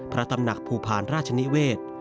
พระตำหนักภูพาลราชนิเวศ